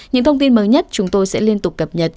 những thông tin mới nhất chúng tôi sẽ liên tục cập nhật